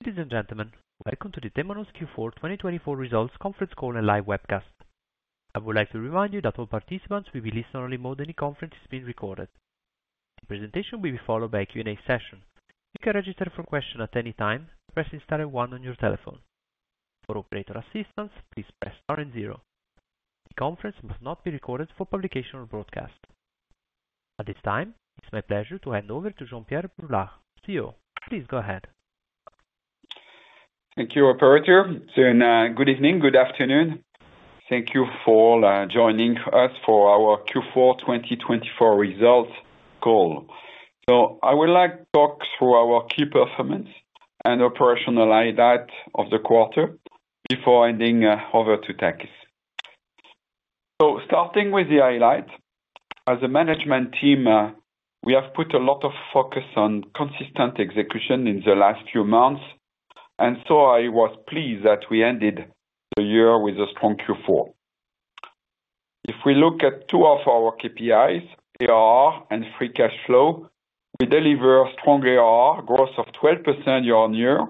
Ladies and gentlemen, welcome to the Temenos Q4 2024 results conference call and live webcast. I would like to remind you that all participants will be in listen-only mode and this conference is being recorded. The presentation will be followed by a Q&A session. You can register for questions at any time by pressing star and one on your telephone. For operator assistance, please press star and zero. The conference may not be recorded for publication or broadcast. At this time, it's my pleasure to hand over to Jean-Pierre Brulard, CEO. Please go ahead. Thank you, Operator. Good evening, good afternoon. Thank you for joining us for our Q4 2024 results call. So I would like to talk through our key performance and operational highlight of the quarter before handing over to Takis. So starting with the highlight, as a management team, we have put a lot of focus on consistent execution in the last few months, and so I was pleased that we ended the year with a strong Q4. If we look at two of our KPIs, ARR and free cash flow, we deliver strong ARR, growth of 12% year on year,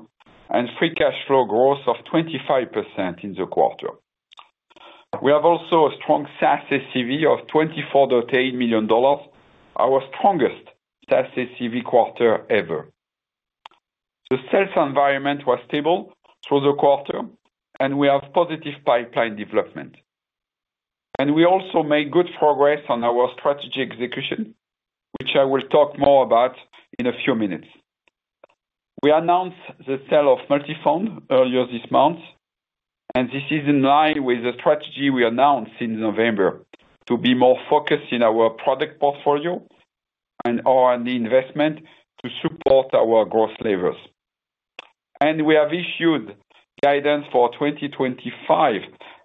and free cash flow growth of 25% in the quarter. We have also a strong SaaS ACV of $24.8 million, our strongest SaaS ACV quarter ever. The sales environment was stable through the quarter, and we have positive pipeline development. We also made good progress on our strategy execution, which I will talk more about in a few minutes. We announced the sale of Multifonds earlier this month, and this is in line with the strategy we announced in November to be more focused in our product portfolio and our investment to support our growth levers. We have issued guidance for 2025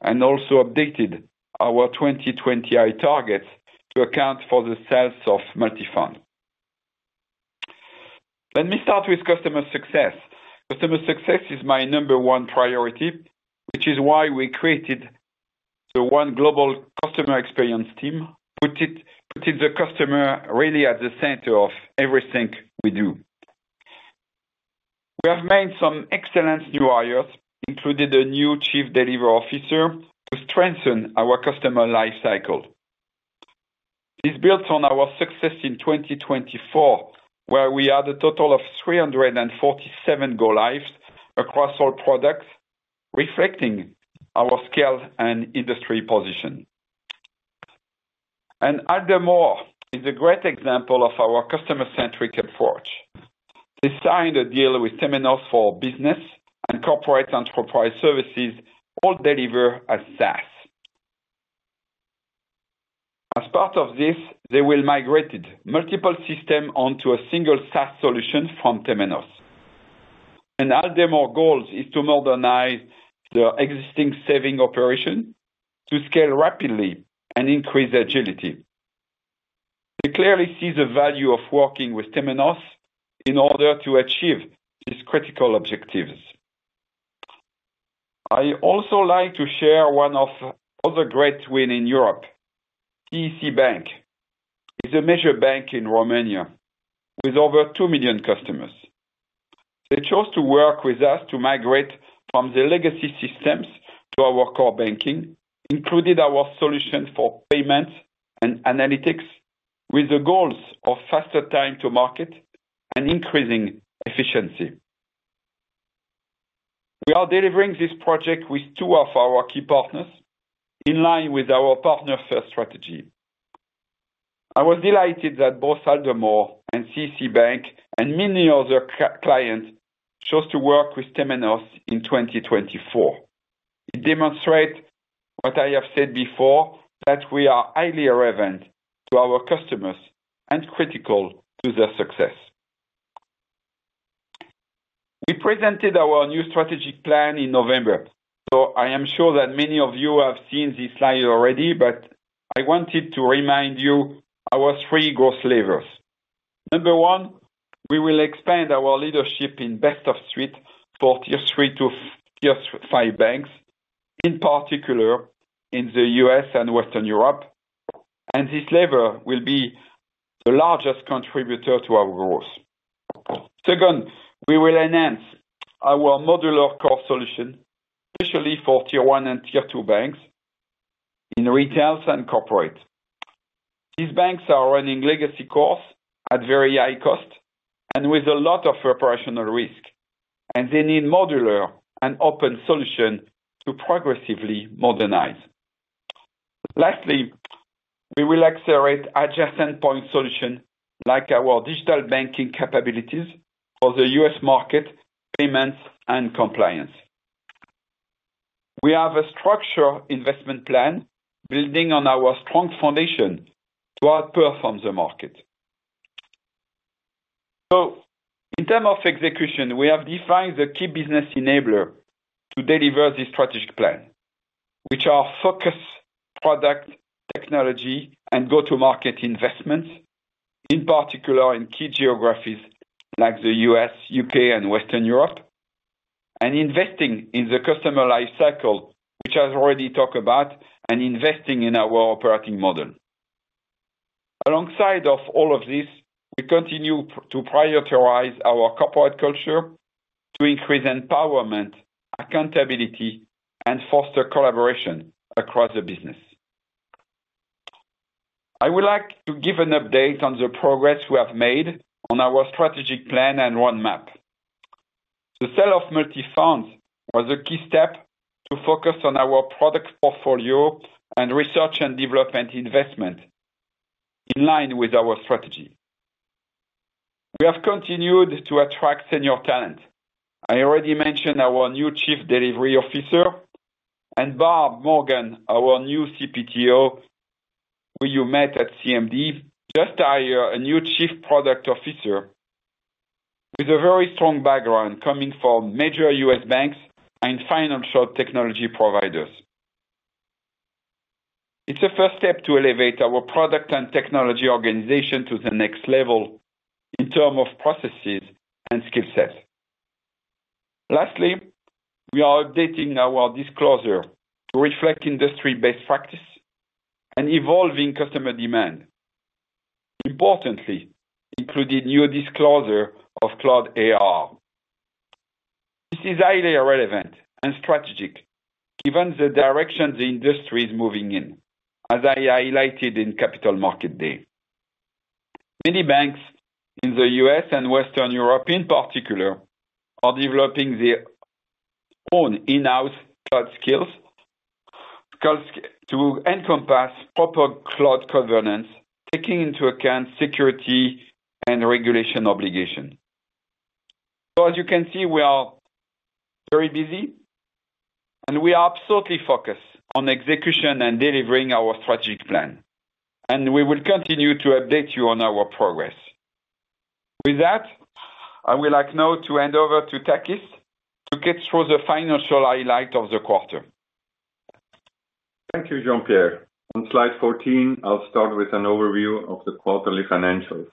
and also updated our 2020 targets to account for the sale of Multifonds. Let me start with customer success. Customer success is my number one priority, which is why we created the One Global Customer Experience team, putting the customer really at the center of everything we do. We have made some excellent new hires, including a new Chief Delivery Officer, to strengthen our customer lifecycle. This builds on our success in 2024, where we had a total of 347 go-lives across all products, reflecting our scale and industry position, and Aldermore is a great example of our customer-centric approach. They signed a deal with Temenos for business and corporate enterprise services, all delivered as SaaS. As part of this, they will migrate multiple systems onto a single SaaS solution from Temenos, and Aldermore's goal is to modernize the existing savings operation, to scale rapidly, and increase agility. They clearly see the value of working with Temenos in order to achieve these critical objectives. I also like to share one of the other great wins in Europe. CEC Bank is a major bank in Romania with over 2 million customers. They chose to work with us to migrate from the legacy systems to our core banking, including our solution for payments and analytics, with the goals of faster time to market and increasing efficiency. We are delivering this project with two of our key partners in line with our partner-first strategy. I was delighted that both Aldermore and CEC Bank and many other clients chose to work with Temenos in 2024. It demonstrates, what I have said before, that we are highly relevant to our customers and critical to their success. We presented our new strategic plan in November, so I am sure that many of you have seen this slide already, but I wanted to remind you of our three growth levers. Number one, we will expand our leadership in best-of-breed for Tier 3 to Tier 5 banks, in particular in the U.S. and Western Europe, and this lever will be the largest contributor to our growth. Second, we will enhance our modular core solution, especially for Tier 1 and Tier 2 banks in retail and corporate. These banks are running legacy cores at very high cost and with a lot of operational risk, and they need modular and open solutions to progressively modernize. Lastly, we will accelerate adjacent point solutions like our digital banking capabilities for the U.S. market, payments, and compliance. We have a structured investment plan building on our strong foundation to outperform the market. So in terms of execution, we have defined the key business enabler to deliver this strategic plan, which are focus product technology and go-to-market investments, in particular in key geographies like the U.S., U.K., and Western Europe, and investing in the customer lifecycle, which I've already talked about, and investing in our operating model. Alongside all of this, we continue to prioritize our corporate culture to increase empowerment, accountability, and foster collaboration across the business. I would like to give an update on the progress we have made on our strategic plan and roadmap. The sale of Multifonds was a key step to focus on our product portfolio and research and development investment in line with our strategy. We have continued to attract senior talent. I already mentioned our new Chief Delivery Officer and Barb Morgan, our new CPTO, who you met at CMD, just a year ago, a new Chief Product Officer with a very strong background coming from major U.S. banks and financial technology providers. It's a first step to elevate our product and technology organization to the next level in terms of processes and skill sets. Lastly, we are updating our disclosure to reflect industry-based practice and evolving customer demand. Importantly, included new disclosure of Cloud ARR. This is highly relevant and strategic given the direction the industry is moving in, as I highlighted in Capital Markets Day. Many banks in the U.S. and Western Europe, in particular, are developing their own in-house cloud skills to encompass proper cloud governance, taking into account security and regulation obligations. So as you can see, we are very busy, and we are absolutely focused on execution and delivering our strategic plan, and we will continue to update you on our progress. With that, I would like now to hand over to Takis to get through the financial highlight of the quarter. Thank you, Jean-Pierre. On Slide 14, I'll start with an overview of the quarterly financials.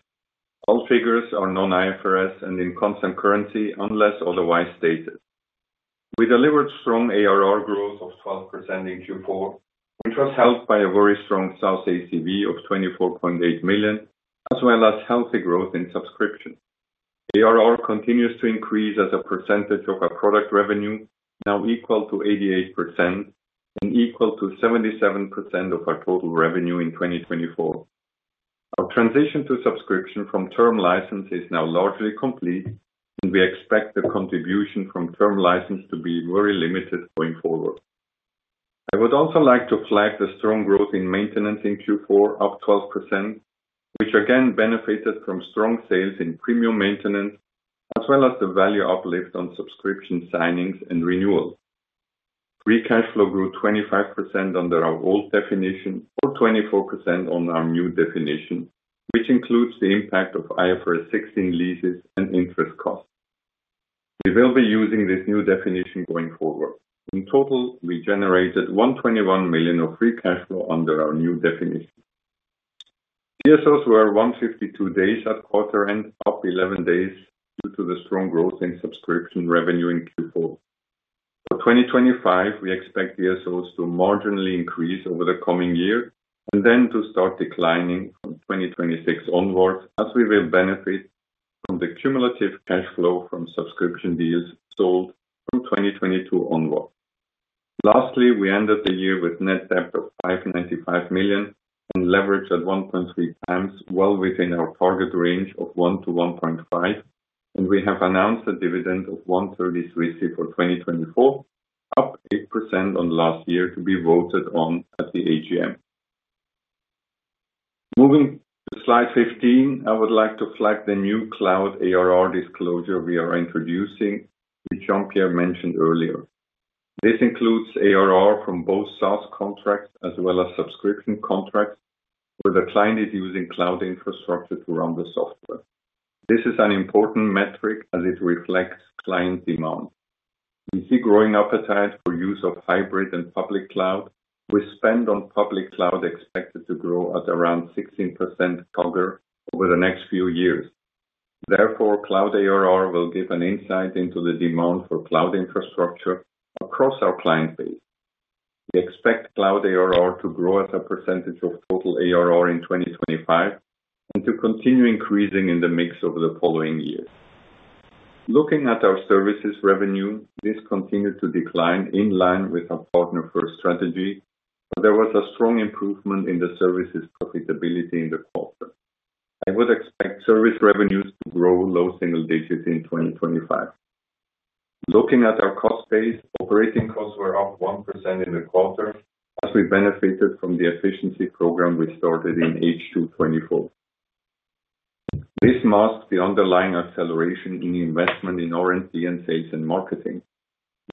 All figures are non-IFRS and in constant currency unless otherwise stated. We delivered strong ARR growth of 12% in Q4, which was helped by a very strong SaaS ACV of CHF $24.8 million, as well as healthy growth in subscription. ARR continues to increase as a percentage of our product revenue, now equal to 88% and equal to 77% of our total revenue in 2024. Our transition to subscription from term license is now largely complete, and we expect the contribution from term license to be very limited going forward. I would also like to flag the strong growth in maintenance in Q4, up 12%, which again benefited from strong sales in premium maintenance, as well as the value uplift on subscription signings and renewals. Free cash flow grew 25% under our old definition or 24% under our new definition, which includes the impact of IFRS 16 leases and interest costs. We will be using this new definition going forward. In total, we generated 121 million of free cash flow under our new definition. DSOs were 152 days at quarter-end, up 11 days due to the strong growth in subscription revenue in Q4. For 2025, we expect DSOs to marginally increase over the coming year and then to start declining from 2026 onward, as we will benefit from the cumulative cash flow from subscription deals sold from 2022 onward. Lastly, we ended the year with net debt of 595 million and leverage at 1.3 times, well within our target range of 1 to 1.5, and we have announced a dividend of 1.33 for 2024, up 8% on last year to be voted on at the AGM. Moving to slide 15, I would like to flag the new Cloud ARR disclosure we are introducing, which Jean-Pierre mentioned earlier. This includes ARR from both SaaS contracts as well as subscription contracts where the client is using cloud infrastructure to run the software. This is an important metric as it reflects client demand. We see growing appetite for use of hybrid and public cloud, with spend on public cloud expected to grow at around 16% CAGR over the next few years. Therefore, Cloud ARR will give an insight into the demand for cloud infrastructure across our client base. We expect Cloud ARR to grow at a percentage of total ARR in 2025 and to continue increasing in the mix over the following years. Looking at our services revenue, this continued to decline in line with our partner-first strategy, but there was a strong improvement in the services profitability in the quarter. I would expect service revenues to grow low single digits in 2025. Looking at our cost base, operating costs were up 1% in the quarter as we benefited from the efficiency program we started in H2 2024. This masks the underlying acceleration in investment in R&D and sales and marketing.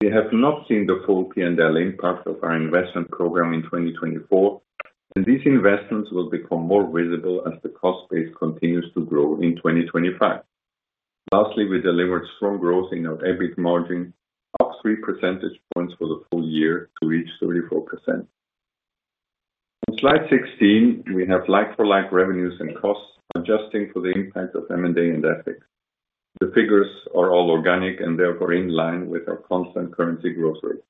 We have not seen the full P&L impact of our investment program in 2024, and these investments will become more visible as the cost base continues to grow in 2025. Lastly, we delivered strong growth in our EBITDA margin, up three percentage points for the full year to reach 34%. On slide 16, we have like-for-like revenues and costs adjusting for the impact of M&A and FX. The figures are all organic and therefore in line with our constant currency growth rate.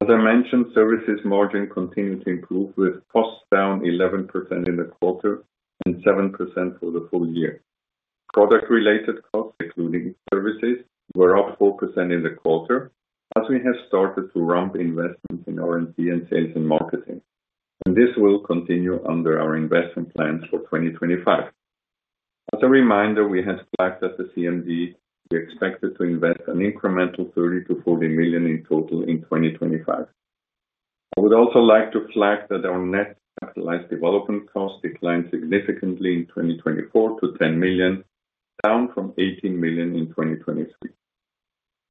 As I mentioned, services margin continued to improve with costs down 11% in the quarter and 7% for the full year. Product-related costs, including services, were up 4% in the quarter as we have started to ramp investments in R&D and sales and marketing, and this will continue under our investment plans for 2025. As a reminder, we had flagged at the CMD we expected to invest an incremental 30 million-40 million in total in 2025. I would also like to flag that our net capitalized development costs declined significantly in 2024 to 10 million, down from 18 million in 2023.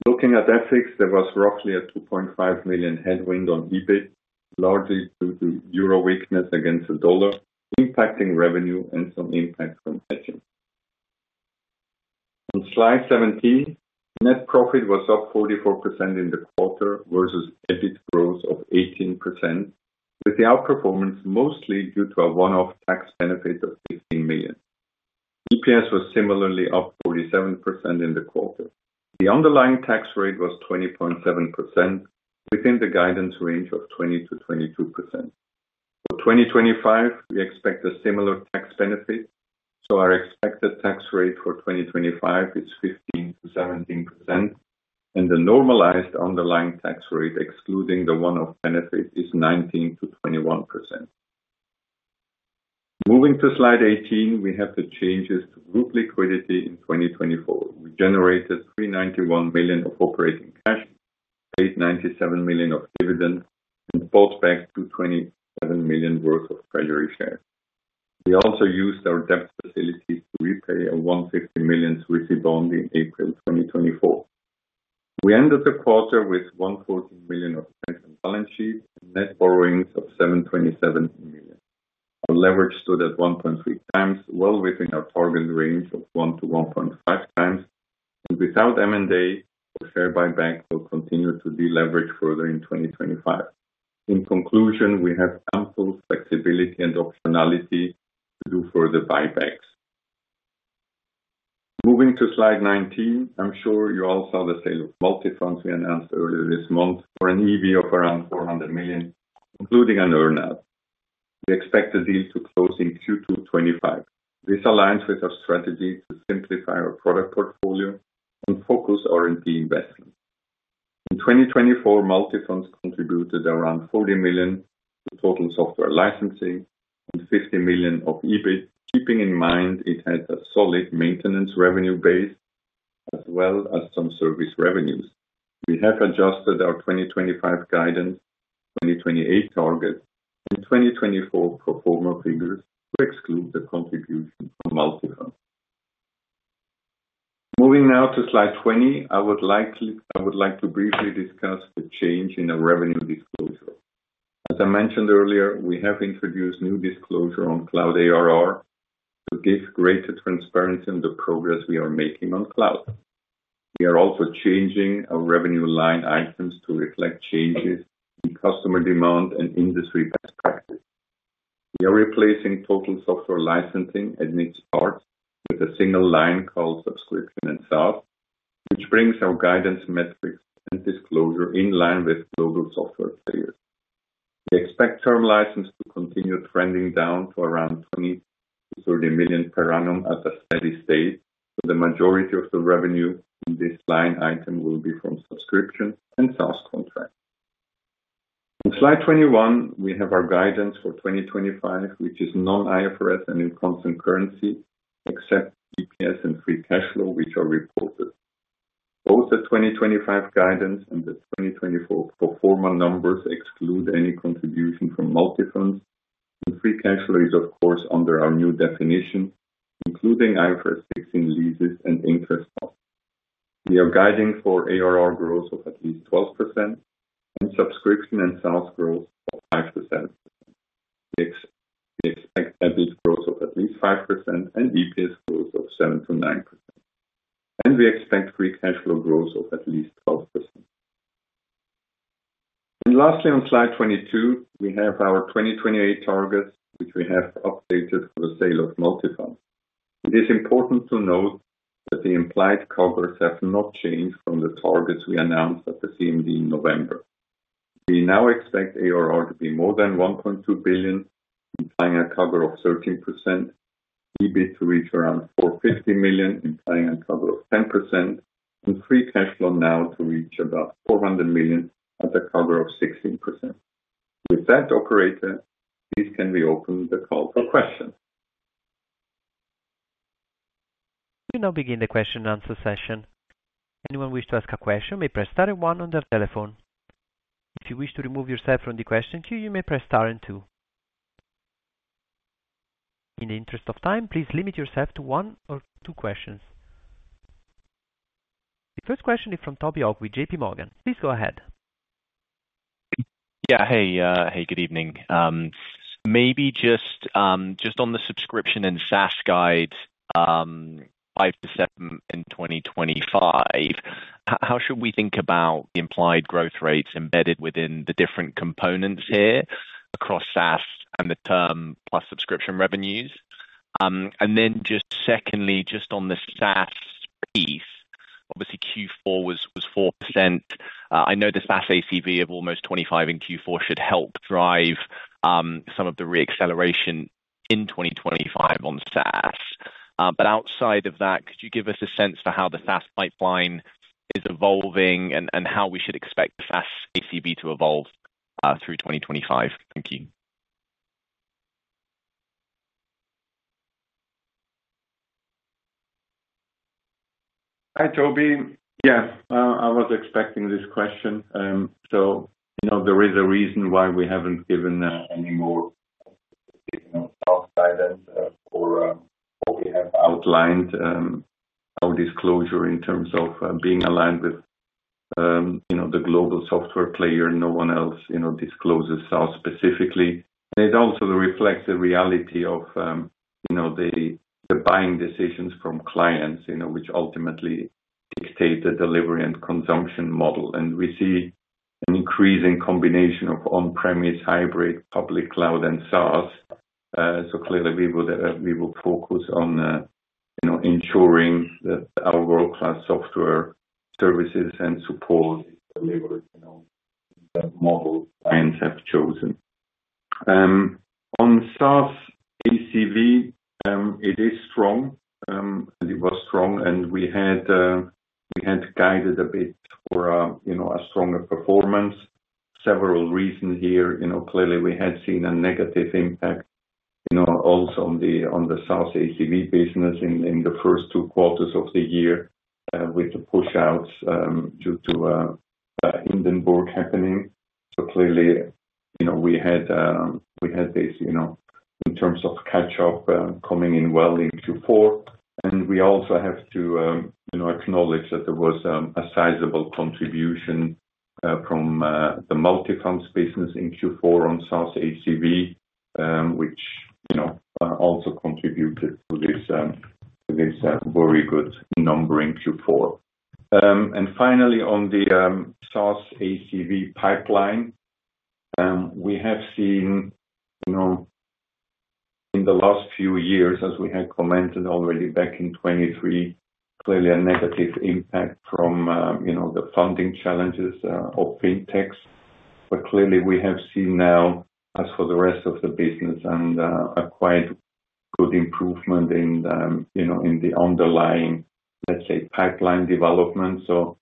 Looking at FX, there was roughly a 2.5 million headwind on EBITDA, largely due to euro weakness against the dollar, impacting revenue and some impact from hedging. On slide 17, net profit was up 44% in the quarter versus EBITDA growth of 18%, with the outperformance mostly due to a one-off tax benefit of 15 million. EPS was similarly up 47% in the quarter. The underlying tax rate was 20.7%, within the guidance range of 20%-22%. For 2025, we expect a similar tax benefit, so our expected tax rate for 2025 is 15%-17%, and the normalized underlying tax rate excluding the one-off benefit is 19%-21%. Moving to slide 18, we have the changes to group liquidity in 2024. We generated 391 million of operating cash, paid 97 million of dividends, and bought back 227 million worth of treasury shares. We also used our debt facilities to repay a 150 million Swiss franc bond in April 2024. We ended the quarter with 114 million of net cash on the balance sheet and net borrowings of 727 million. Our leverage stood at 1.3 times, well within our target range of 1 to 1.5 times, and without M&A or share buyback, we'll continue to deleverage further in 2025. In conclusion, we have ample flexibility and optionality to do further buybacks. Moving to slide 19, I'm sure you all saw the sale of Multifonds we announced earlier this month for an EV of around 400 million, including an earn-out. We expect the deal to close in Q2 2025. This aligns with our strategy to simplify our product portfolio and focus R&D investments. In 2024, Multifonds contributed around 40 million to total software licensing and 50 million of EBITDA, keeping in mind it had a solid maintenance revenue base as well as some service revenues. We have adjusted our 2025 guidance, 2028 targets, and 2024 pro forma figures to exclude the contribution from Multifonds. Moving now to slide 20, I would like to briefly discuss the change in our revenue disclosure. As I mentioned earlier, we have introduced new disclosure on Cloud ARR to give greater transparency on the progress we are making on cloud. We are also changing our revenue line items to reflect changes in customer demand and industry best practice. We are replacing total software licensing at its start with a single line called subscription and SaaS, which brings our guidance metrics and disclosure in line with global software players. We expect term license to continue trending down to around 20-30 million per annum at a steady state, but the majority of the revenue in this line item will be from subscriptions and SaaS contracts. On slide 21, we have our guidance for 2025, which is non-IFRS and in constant currency, except EPS and free cash flow, which are reported. Both the 2025 guidance and the 2024 pro forma numbers exclude any contribution from Multifonds, and free cash flow is, of course, under our new definition, including IFRS 16 leases and interest costs. We are guiding for ARR growth of at least 12% and subscription and SaaS growth of 5%. We expect EBITDA growth of at least 5% and EPS growth of 7-9%, and we expect free cash flow growth of at least 12%. And lastly, on slide 22, we have our 2028 targets, which we have updated for the sale of Multifonds. It is important to note that the implied CAGRs have not changed from the targets we announced at the CMD in November. We now expect ARR to be more than 1.2 billion implying a CAGR of 13%, EBITDA to reach around 450 million implying a CAGR of 10%, and free cash flow now to reach about 400 million at a CAGR of 16%. With that, operator, please can we open the call for questions. We now begin the question-and-answer session. Anyone wish to ask a question may press star and one on their telephone. If you wish to remove yourself from the question queue, you may press star and two. In the interest of time, please limit yourself to one or two questions. The first question is from Toby Ogg with JPMorgan. Please go ahead. Yeah, hey, hey, good evening. Maybe just on the subscription and SaaS guide, 5%-7% in 2025, how should we think about the implied growth rates embedded within the different components here across SaaS and the term plus subscription revenues? And then just secondly, just on the SaaS piece, obviously Q4 was 4%. I know the SaaS ACV of almost 25 in Q4 should help drive some of the reacceleration in 2025 on SaaS. But outside of that, could you give us a sense for how the SaaS pipeline is evolving and how we should expect the SaaS ACV to evolve through 2025? Thank you. Hi, Toby. Yeah, I was expecting this question, so there is a reason why we haven't given any more SaaS guidance or what we have outlined, our disclosure in terms of being aligned with the global software player. No one else discloses SaaS specifically, and it also reflects the reality of the buying decisions from clients, which ultimately dictate the delivery and consumption model, and we see an increasing combination of on-premise, hybrid, public cloud, and SaaS, so clearly we will focus on ensuring that our world-class software services and support deliver the model clients have chosen. On SaaS ACV, it is strong, and it was strong, and we had guided a bit for a stronger performance. Several reasons here. Clearly, we had seen a negative impact also on the SaaS ACV business in the first two quarters of the year with the push-outs due to Hindenburg happening. So clearly, we had this in terms of catch-up coming in well in Q4. And we also have to acknowledge that there was a sizable contribution from the Multifonds business in Q4 on SaaS ACV, which also contributed to this very good number in Q4. And finally, on the SaaS ACV pipeline, we have seen in the last few years, as we had commented already back in 2023, clearly a negative impact from the funding challenges of FinTechs. But clearly, we have seen now, as for the rest of the business, and a quite good improvement in the underlying, let's say, pipeline development. So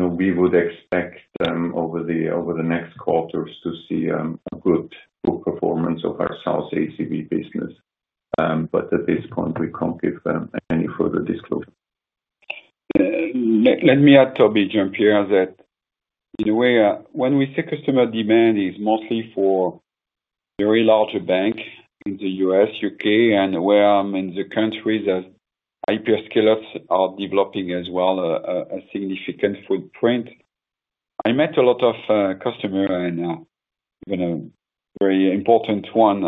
we would expect over the next quarters to see a good performance of our SaaS ACV business. But at this point, we can't give any further disclosure. Let me add, Toby, Jean-Pierre, that in a way, when we say customer demand is mostly for very large banks in the U.S., U.K., and in countries where hyperscalers are developing as well a significant footprint. I met a lot of customers, and even a very important one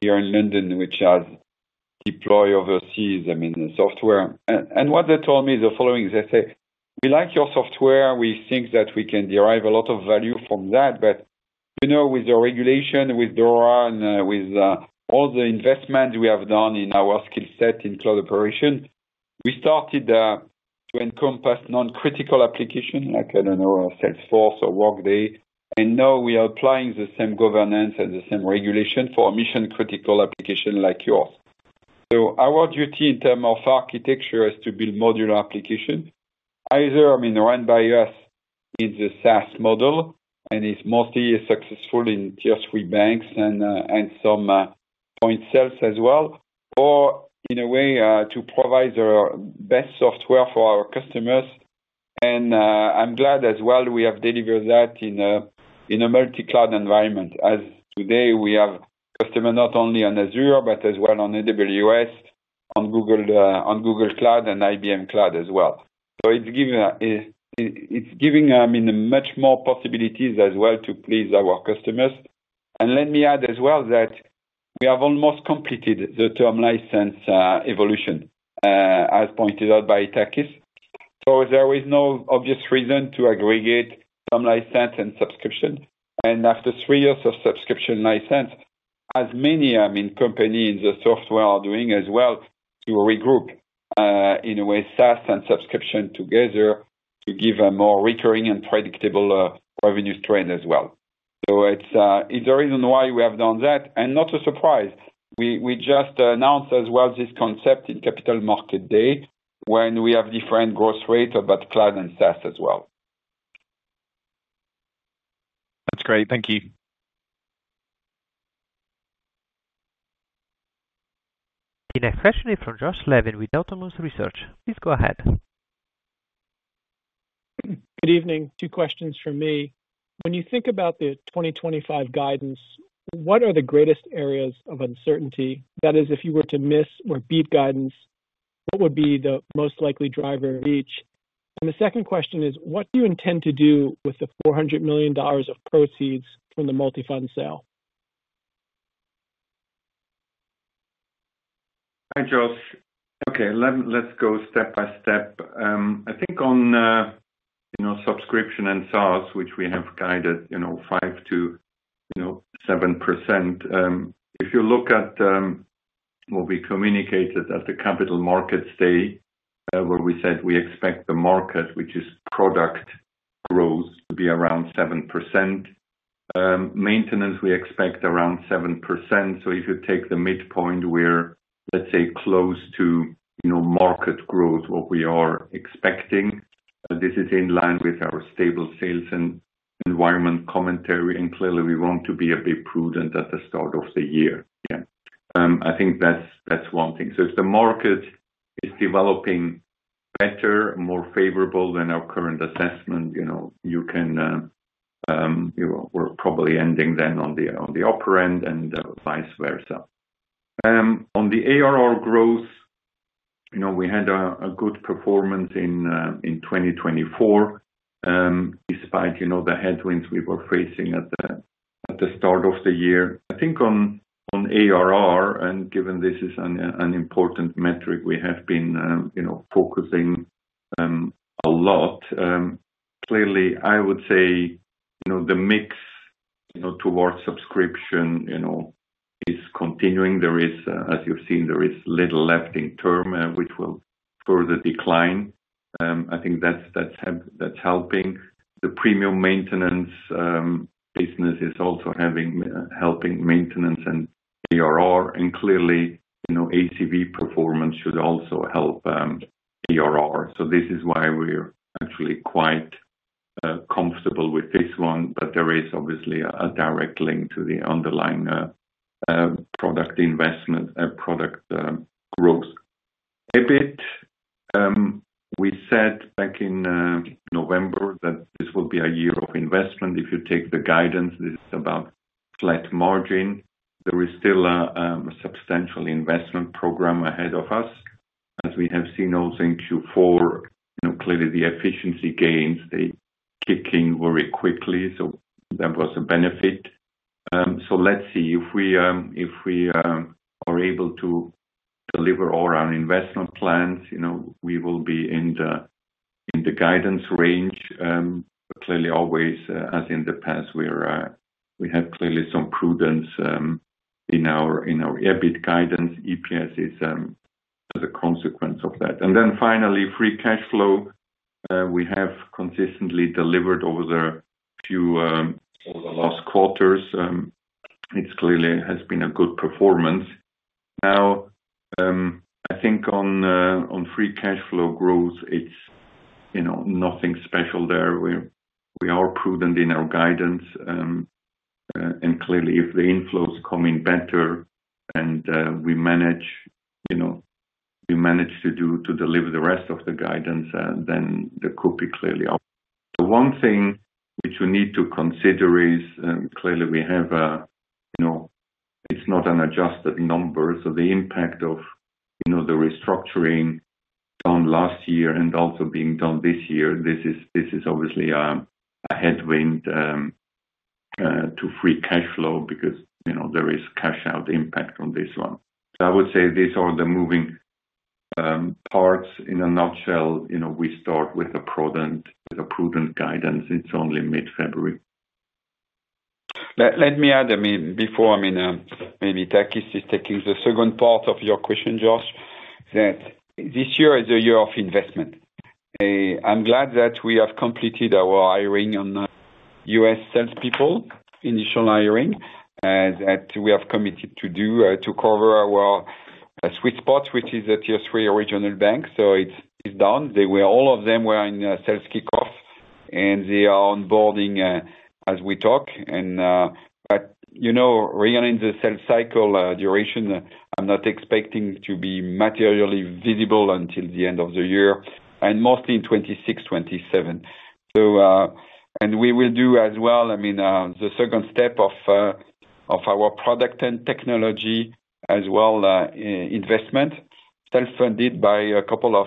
here in London, which has deployed our software. And what they told me is the following. They said, "We like your software. We think that we can derive a lot of value from that, but with the regulation, with DORA, and with all the investments we have done in our skill set in cloud operation, we started to encompass non-critical applications like, I don't know, Salesforce or Workday. And now we are applying the same governance and the same regulation for mission-critical applications like yours. So our duty in terms of architecture is to build modular applications, either, I mean, run by us in the SaaS model, and it's mostly successful in tier three banks and some point sales as well, or in a way to provide the best software for our customers. And I'm glad as well we have delivered that in a multi-cloud environment, as today we have customers not only on Azure, but as well on AWS, on Google Cloud, and IBM Cloud as well. So it's giving them much more possibilities as well to please our customers. And let me add as well that we have almost completed the term license evolution, as pointed out by Takis. So there is no obvious reason to aggregate term license and subscription. After three years of subscription license, as many, I mean, companies in the software are doing as well to regroup in a way SaaS and subscription together to give a more recurring and predictable revenue stream as well. It's a reason why we have done that. Not a surprise. We just announced as well this concept in Capital Markets Day, when we have different growth rates about cloud and SaaS as well. That's great. Thank you. In a question from Josh Levin with Autonomous Research. Please go ahead. Good evening. Two questions for me. When you think about the 2025 guidance, what are the greatest areas of uncertainty? That is, if you were to miss or beat guidance, what would be the most likely driver of each? And the second question is, what do you intend to do with the $400 million of proceeds from the Multifonds sale? Hi, Josh. Okay, let's go step by step. I think on subscription and SaaS, which we have guided 5%-7%. If you look at what we communicated at the Capital Markets Day, where we said we expect the market, which is product growth, to be around 7%. Maintenance, we expect around 7%. So if you take the midpoint, we're, let's say, close to market growth, what we are expecting. This is in line with our stable sales and environment commentary. Clearly, we want to be a bit prudent at the start of the year. Yeah, I think that's one thing. So if the market is developing better, more favorable than our current assessment, you know, we're probably ending then on the upper end and vice versa. On the ARR growth, we had a good performance in 2024, despite the headwinds we were facing at the start of the year. I think on ARR, and given this is an important metric we have been focusing a lot, clearly, I would say the mix towards subscription is continuing. There is, as you've seen, little left in term, which will further decline. I think that's helping. The premium maintenance business is also helping maintenance and ARR. And clearly, ACV performance should also help ARR. So this is why we're actually quite comfortable with this one. But there is obviously a direct link to the underlying product investment, product growth. A bit, we said back in November that this will be a year of investment. If you take the guidance, this is about flat margin. There is still a substantial investment program ahead of us, as we have seen also in Q4. Clearly, the efficiency gains, they kick in very quickly, so that was a benefit, so let's see. If we are able to deliver all our investment plans, we will be in the guidance range, but clearly, always, as in the past, we have clearly some prudence in our EBITDA guidance. EPS is a consequence of that, and then finally, free cash flow, we have consistently delivered over the last quarters. It clearly has been a good performance. Now, I think on free cash flow growth, it's nothing special there. We are prudent in our guidance, and clearly, if the inflows come in better and we manage to deliver the rest of the guidance, then there could be clearly. The one thing which we need to consider is clearly we have a. It's not an adjusted number. So the impact of the restructuring done last year and also being done this year. This is obviously a headwind to free cash flow because there is cash-out impact on this one. So I would say these are the moving parts. In a nutshell, we start with a prudent guidance. It's only mid-February. Let me add, I mean, before, I mean, maybe Takis is taking the second part of your question, Josh, that this year is a year of investment. I'm glad that we have completed our hiring on US salespeople, initial hiring, that we have committed to do to cover our sweet spots, which is a tier three regional bank. So it's done. All of them were in sales kickoff, and they are onboarding as we talk. But really, in the sales cycle duration, I'm not expecting to be materially visible until the end of the year, and mostly in 2026, 2027, and we will do as well, I mean, the second step of our product and technology as well investment, self-funded by a couple of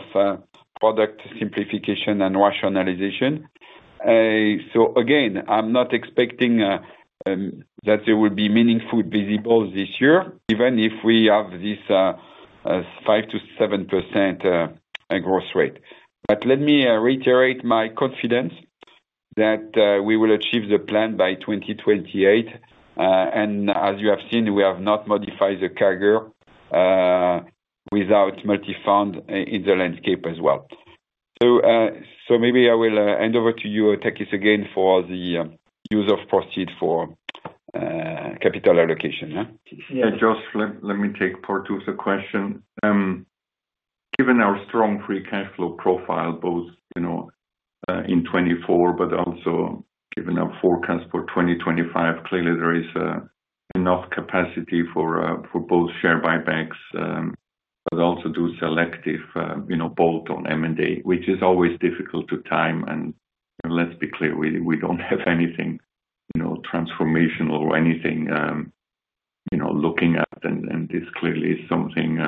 product simplification and rationalization. So again, I'm not expecting that there will be meaningful visibles this year, even if we have this 5%-7% growth rate. But let me reiterate my confidence that we will achieve the plan by 2028. And as you have seen, we have not modified the criteria without Multifonds in the landscape as well. So maybe I will hand over to you, Takis, again for the use of proceeds for capital allocation. Yeah, Josh, let me take part of the question. Given our strong free cash flow profile, both in 2024, but also given our forecast for 2025, clearly there is enough capacity for both share buybacks, but also do selective bolt-on M&A, which is always difficult to time. And let's be clear, we don't have anything transformational or anything looking at. And this clearly is something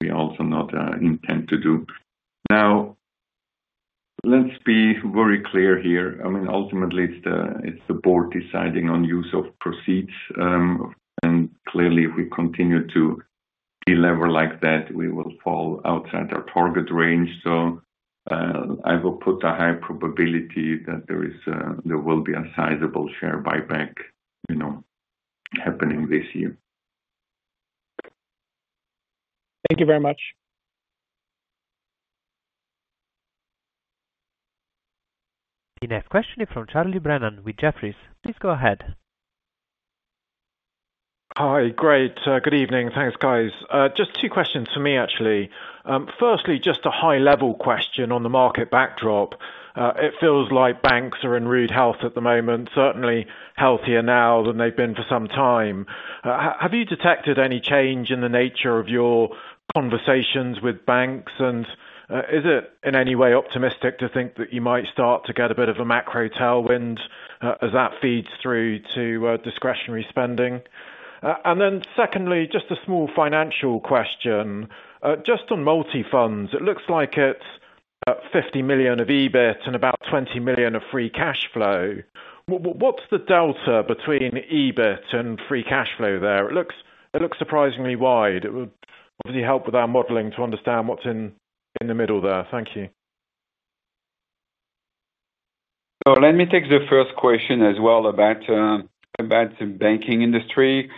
we also not intend to do. Now, let's be very clear here. I mean, ultimately, it's the board deciding on use of proceeds. And clearly, if we continue to deliver like that, we will fall outside our target range. So I will put a high probability that there will be a sizable share buyback happening this year. Thank you very much. The next question is from Charlie Brennan with Jefferies. Please go ahead. Hi, great. Good evening. Thanks, guys. Just two questions for me, actually. Firstly, just a high-level question on the market backdrop. It feels like banks are in rude health at the moment, certainly healthier now than they've been for some time. Have you detected any change in the nature of your conversations with banks? And is it in any way optimistic to think that you might start to get a bit of a macro tailwind as that feeds through to discretionary spending? And then secondly, just a small financial question. Just on Multifonds, it looks like it's $50 million of EBITDA and about $20 million of free cash flow. What's the delta between EBITDA and free cash flow there? It looks surprisingly wide. It would obviously help with our modeling to understand what's in the middle there. Thank you. So let me take the first question as well about the banking industry.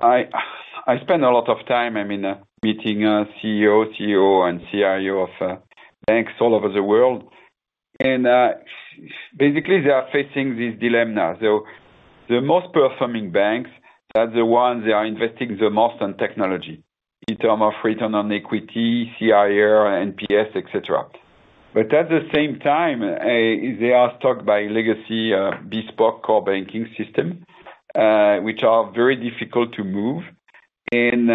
I spend a lot of time, I mean, meeting CEO and CIO of banks all over the world. And basically, they are facing this dilemma now. So the most performing banks, that's the ones they are investing the most in technology in terms of return on equity, CIR, NPS, etc. But at the same time, they are stuck by legacy bespoke core banking systems, which are very difficult to move. And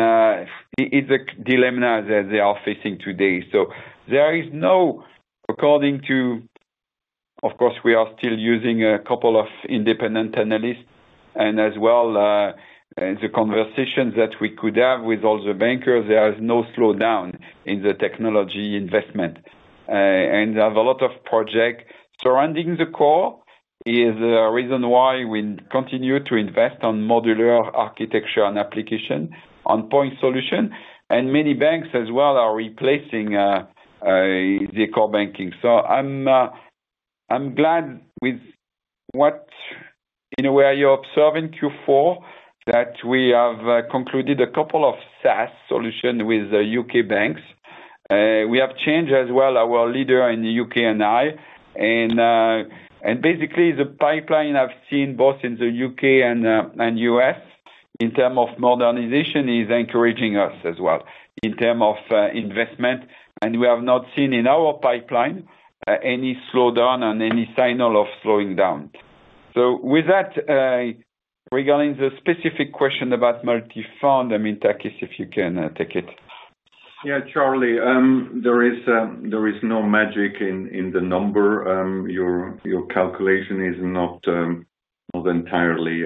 it's a dilemma that they are facing today. So there is no, according to, of course, we are still using a couple of independent analysts. And as well, the conversations that we could have with all the bankers, there is no slowdown in the technology investment. And there are a lot of projects surrounding the core. It is the reason why we continue to invest on modular architecture and application, on point solutions, and many banks as well are replacing the core banking, so I'm glad with what, in a way, you're observing Q4, that we have concluded a couple of SaaS solutions with the U.K. banks. We have changed as well our leader in the U.K. and I, and basically, the pipeline I've seen both in the U.K. and U.S. in terms of modernization is encouraging us as well in terms of investment, and we have not seen in our pipeline any slowdown and any signal of slowing down, so with that, regarding the specific question about Multifonds, I mean, Takis, if you can take it. Yeah, Charlie, there is no magic in the number. Your calculation is not entirely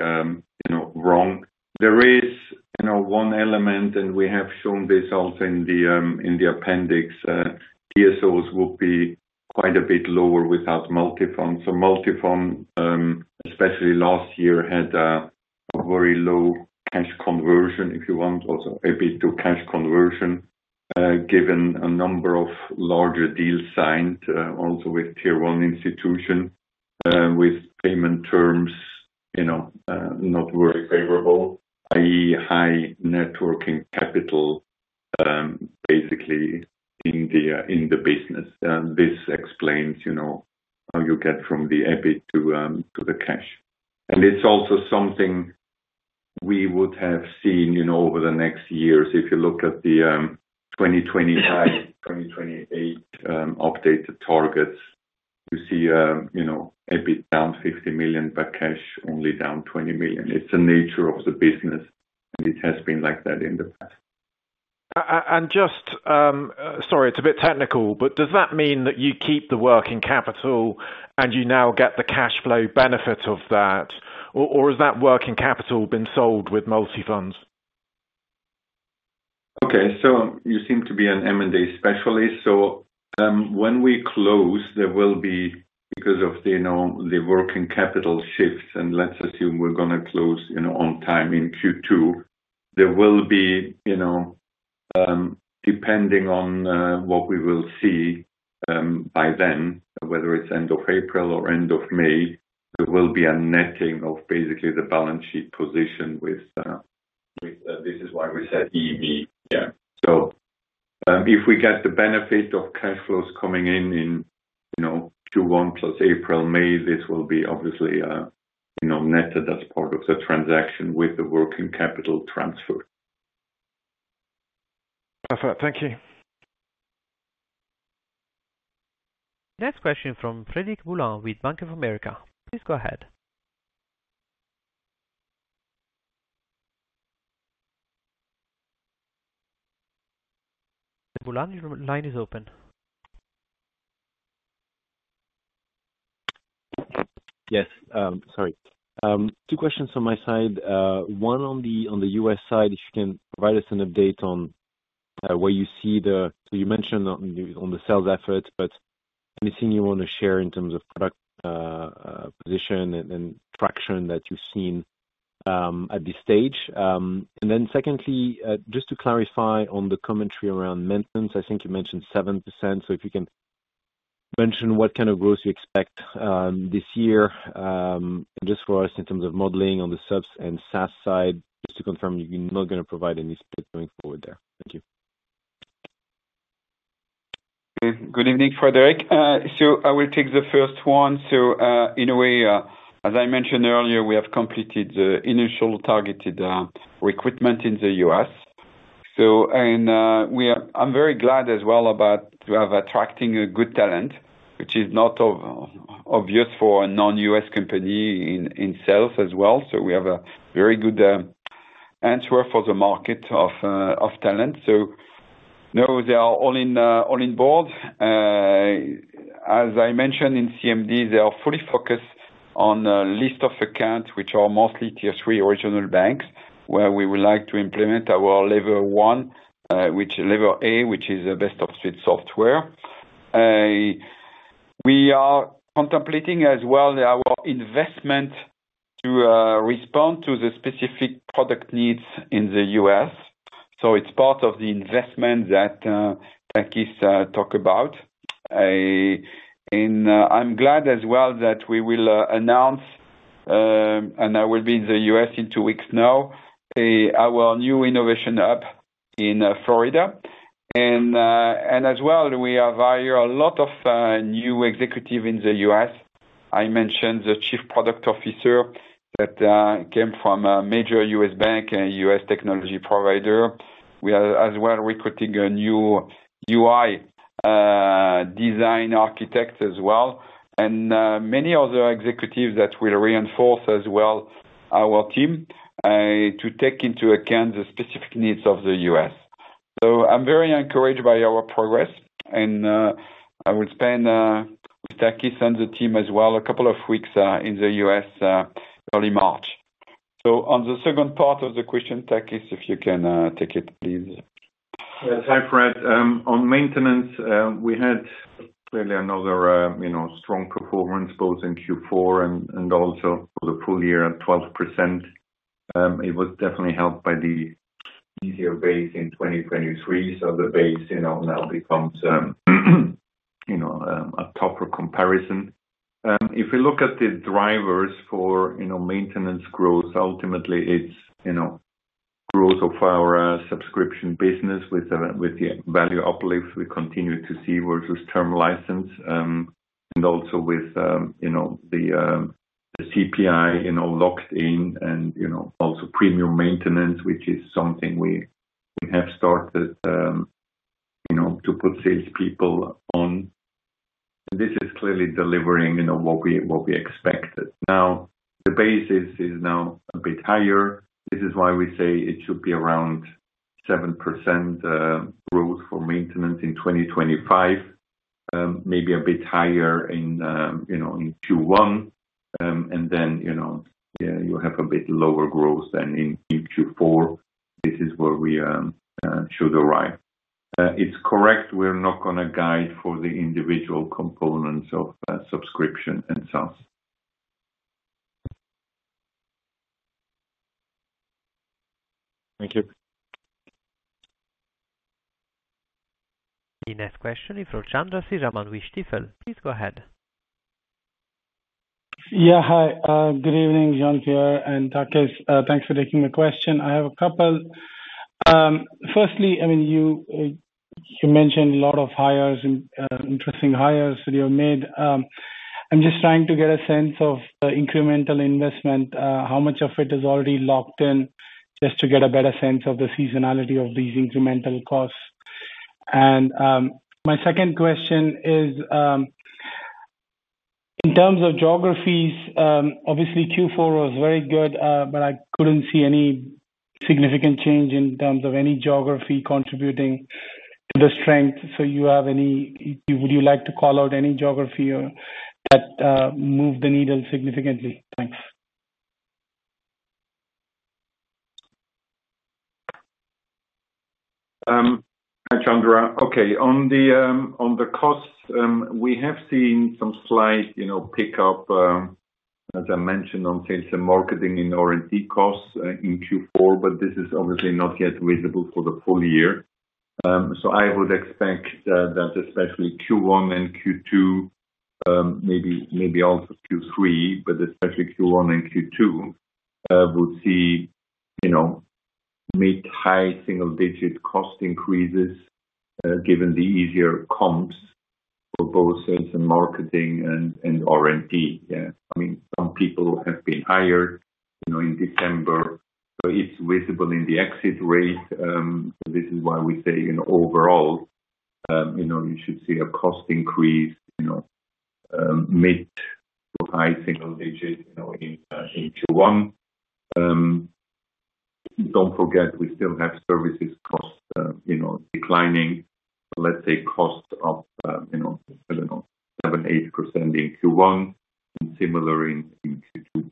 wrong. There is one element, and we have shown this also in the appendix. DSOs would be quite a bit lower without Multifonds. So Multifonds, especially last year, had a very low cash conversion, if you want, also a bit low cash conversion, given a number of larger deals signed also with Tier 1 institutions, with payment terms not very favorable, i.e., high working capital, basically in the business. This explains how you get from the EBITDA to the cash. And it's also something we would have seen over the next years. If you look at the 2025, 2028 updated targets, you see EBITDA down 50 million, but cash only down 20 million. It's the nature of the business, and it has been like that in the past. And just, sorry, it's a bit technical, but does that mean that you keep the working capital and you now get the cash flow benefit of that? Or has that working capital been sold with Multifonds? Okay, so you seem to be an M&A specialist. So when we close, there will be, because of the working capital shifts, and let's assume we're going to close on time in Q2, there will be, depending on what we will see by then, whether it's end of April or end of May, there will be a netting of basically the balance sheet position with this is why we said EV. Yeah. So if we get the benefit of cash flows coming in in Q1 plus April, May, this will be obviously netted as part of the transaction with the working capital transfer. Perfect. Thank you. Next question from Frederic Boulan with Bank of America. Please go ahead. Boulan, your line is open. Yes. Sorry. Two questions on my side. One on the U.S. side, if you can provide us an update on where you see the so you mentioned on the sales efforts, but anything you want to share in terms of product position and traction that you've seen at this stage. And then secondly, just to clarify on the commentary around maintenance, I think you mentioned 7%. So if you can mention what kind of growth you expect this year, just for us in terms of modeling on the subs and SaaS side, just to confirm you're not going to provide any split going forward there. Thank you. Good evening, Frederic, so I will take the first one, so in a way, as I mentioned earlier, we have completed the initial targeted recruitment in the U.S., and I'm very glad as well to have attracted good talent, which is not obvious for a non-U.S. company in sales as well, so we have a very good answer for the market for talent, so no, they are all on board. As I mentioned in CMD, they are fully focused on a list of accounts, which are mostly Tier 3 regional banks, where we would like to implement our Level 1, which is Level A, which is the best-of-breed software. We are contemplating as well our investment to respond to the specific product needs in the U.S., so it's part of the investment that Takis talked about. I'm glad as well that we will announce, and I will be in the U.S. in two weeks now, our new innovation hub in Florida. We have hired a lot of new executives in the U.S. I mentioned the Chief Product Officer that came from a major U.S. bank and U.S. technology provider. We are as well recruiting a new UI design architect as well. Many other executives will reinforce as well our team to take into account the specific needs of the U.S. I'm very encouraged by our progress. I will spend with Takis and the team as well a couple of weeks in the U.S., early March. On the second part of the question, Takis, if you can take it, please. Yeah, thanks, Fred. On maintenance, we had clearly another strong performance, both in Q4 and also for the full year at 12%. It was definitely helped by the easier base in 2023. So the base now becomes a tougher comparison. If we look at the drivers for maintenance growth, ultimately, it's growth of our subscription business with the value uplift we continue to see versus term license. And also with the CPI locked in and also premium maintenance, which is something we have started to put salespeople on. And this is clearly delivering what we expected. Now, the base is now a bit higher. This is why we say it should be around 7% growth for maintenance in 2025, maybe a bit higher in Q1. And then you have a bit lower growth than in Q4. This is where we should arrive. It's correct. We're not going to guide for the individual components of subscription and SaaS. Thank you. The next question is from Chandra Sriraman. Please go ahead. Yeah, hi. Good evening, Jean-Pierre and Takis. Thanks for taking the question. I have a couple. Firstly, I mean, you mentioned a lot of interesting hires that you have made. I'm just trying to get a sense of the incremental investment, how much of it is already locked in, just to get a better sense of the seasonality of these incremental costs. And my second question is, in terms of geographies, obviously, Q4 was very good, but I couldn't see any significant change in terms of any geography contributing to the strength. So would you like to call out any geography that moved the needle significantly? Thanks. Hi, Chandra. Okay. On the costs, we have seen some slight pickup, as I mentioned, on sales and marketing and R&D costs in Q4, but this is obviously not yet visible for the full year. So I would expect that especially Q1 and Q2, maybe also Q3, but especially Q1 and Q2, we would see mid-high single-digit cost increases given the easier comps for both sales and marketing and R&D. Yeah. I mean, some people have been hired in December. So it's visible in the exit rate. This is why we say overall, you should see a cost increase, mid- to high single-digit in Q1. Don't forget, we still have services cost declining, let's say cost of, I don't know, 7%-8% in Q1 and similar in Q2.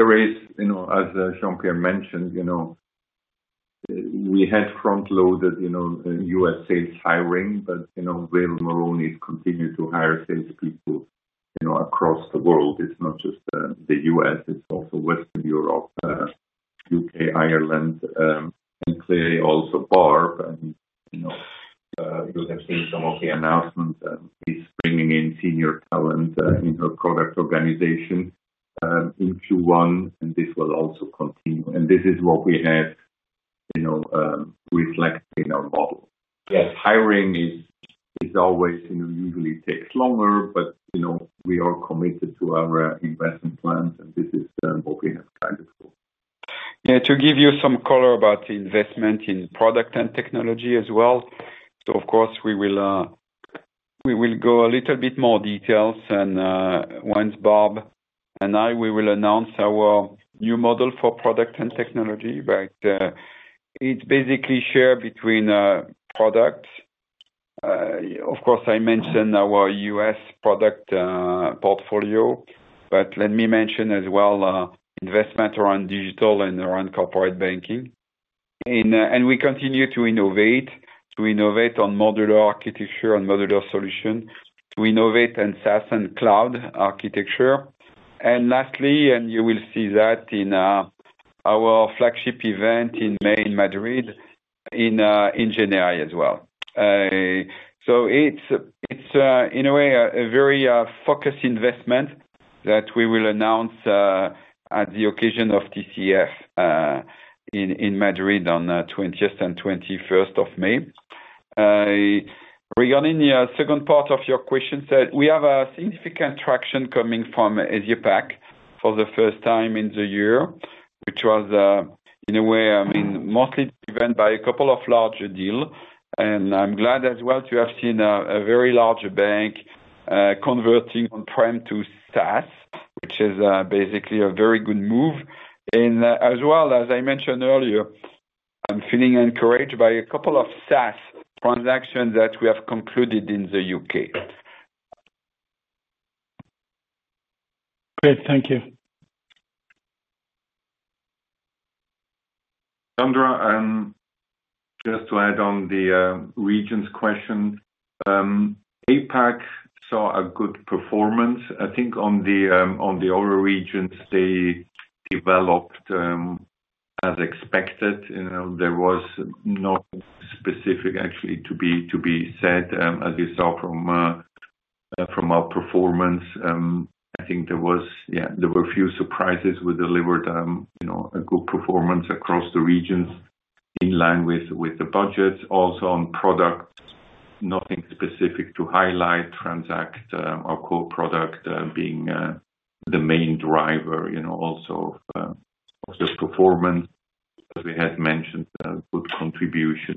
There is, as Jean-Pierre mentioned, we had front-loaded US sales hiring, but Will Moroney has continued to hire salespeople across the world. It's not just the US. It's also Western Europe, UK, Ireland, and clearly also Barb. And you have seen some of the announcements that she's bringing in senior talent in her product organization in Q1, and this will also continue. And this is what we have reflected in our model. Yes, hiring is always usually takes longer, but we are committed to our investment plans, and this is what we have kind of grown. Yeah, to give you some color about the investment in product and technology as well. So of course, we will go a little bit more details. And once Barb and I, we will announce our new model for product and technology, but it's basically shared between products. Of course, I mentioned our US product portfolio, but let me mention as well investment around digital and around corporate banking. And we continue to innovate, to innovate on modular architecture and modular solutions, to innovate in SaaS and cloud architecture. And lastly, and you will see that in our flagship event in May in Madrid in January as well. So it's, in a way, a very focused investment that we will announce at the occasion of TCF in Madrid on the 20th and 21st of May. Regarding the second part of your question, we have a significant traction coming from APAC for the first time in the year, which was, in a way, I mean, mostly driven by a couple of larger deals, and I'm glad as well to have seen a very large bank converting on-prem to SaaS, which is basically a very good move, and as well, as I mentioned earlier, I'm feeling encouraged by a couple of SaaS transactions that we have concluded in the UK. Great. Thank you. Chandra, just to add on the regions question, APAC saw a good performance. I think on the other regions, they developed as expected. There was nothing specific actually to be said. As you saw from our performance, I think there were a few surprises. We delivered a good performance across the regions in line with the budgets. Also on product, nothing specific to highlight, Transact or Core product being the main driver also of the performance. As we had mentioned, good contribution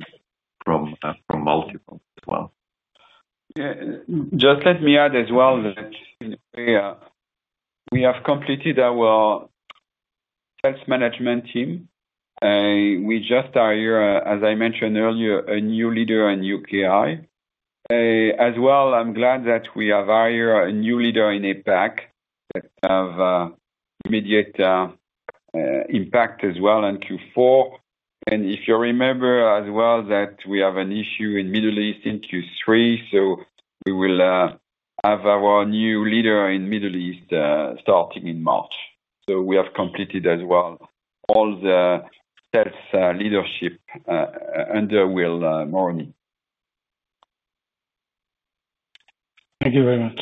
from Multifonds as well. Yeah. Just let me add as well that we have completed our sales management team. We just hired, as I mentioned earlier, a new leader in UKI. As well, I'm glad that we have hired a new leader in APAC that has immediate impact as well in Q4. And if you remember as well that we have an issue in the Middle East in Q3, so we will have our new leader in the Middle East starting in March. So we have completed as well all the sales leadership under Will Moroney. Thank you very much.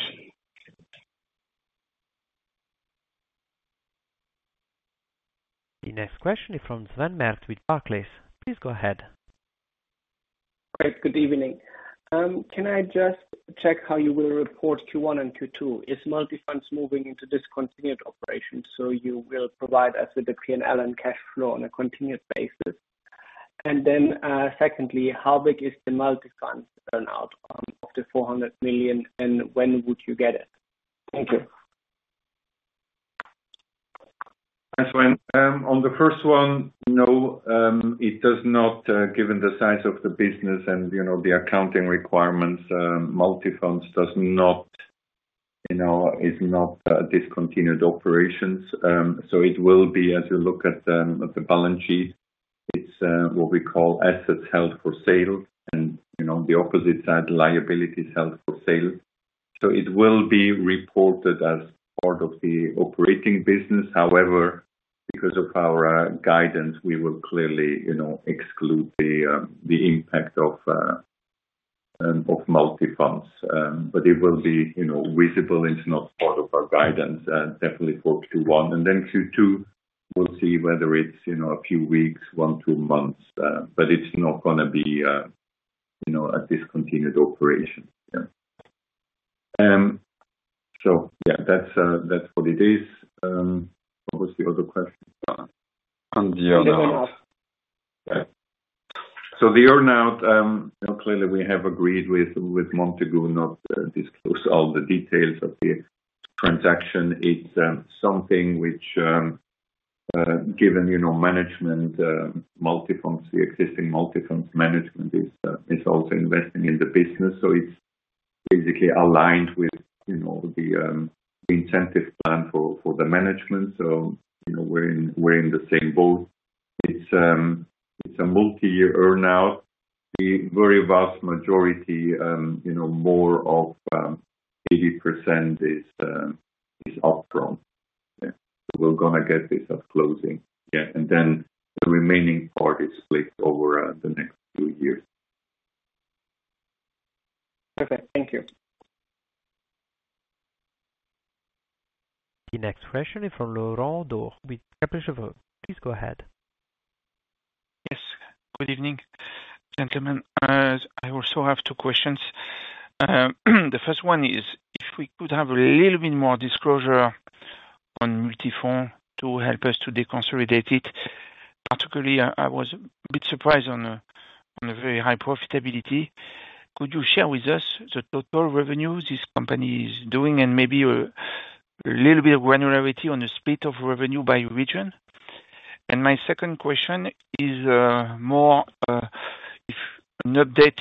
The next question is from Sven Merkt with Barclays. Please go ahead. Great. Good evening. Can I just check how you will report Q1 and Q2? Is Multifonds moving into discontinued operations? So you will provide us with the P&L and cash flow on a continued basis. And then secondly, how big is the Multifonds earn-out of the 400 million? And when would you get it? Thank you. Thanks, Wayne. On the first one, no, it does not, given the size of the business and the accounting requirements, Multifonds does not, is not discontinued operations. So it will be, as you look at the balance sheet, it's what we call assets held for sale. And on the opposite side, liabilities held for sale. So it will be reported as part of the operating business. However, because of our guidance, we will clearly exclude the impact of Multifonds. But it will be visible. It's not part of our guidance, definitely for Q1. And then Q2, we'll see whether it's a few weeks, one, two months, but it's not going to be a discontinued operation. Yeah. So yeah, that's what it is. What was the other question? On the earnout. So the earnout, clearly we have agreed with Montagu to disclose all the details of the transaction. It's something which, given management, the existing Multifonds management is also investing in the business. So it's basically aligned with the incentive plan for the management. So we're in the same boat. It's a multi-year earnout. The very vast majority, more of 80%, is upfront. Yeah. We're going to get this at closing. Yeah. And then the remaining part is split over the next few years. Perfect. Thank you. The next question is from Laurent Daure with Kepler Cheuvreux. Please go ahead. Yes. Good evening, gentlemen. I also have two questions. The first one is if we could have a little bit more disclosure on Multifonds to help us to deconsolidate it. Particularly, I was a bit surprised on the very high profitability. Could you share with us the total revenue this company is doing and maybe a little bit of granularity on the split of revenue by region? And my second question is more an update